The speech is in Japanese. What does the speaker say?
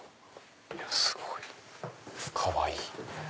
すごいかわいい。